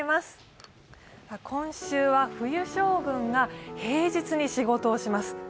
今週は冬将軍が平日に仕事をします。